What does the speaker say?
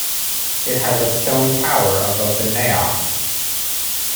It has a stone tower above the naos.